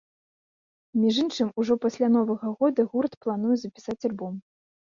Між іншым, ужо пасля новага года гурт плануе запісаць альбом.